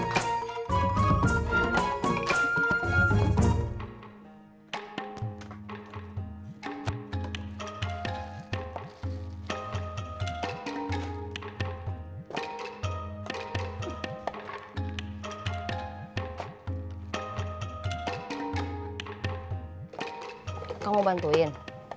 kamu mau bantuin